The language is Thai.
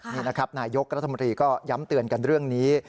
นี่นะครับนายกรัฐมนตรีก็ย้ำเตือนกันเรื่องนี้